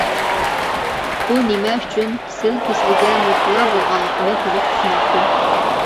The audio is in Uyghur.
ئۇ نېمە ئۈچۈن سىل كېسىلىگە مۇپتىلا بولغانلىقىنى تولۇق چۈشىنەتتى.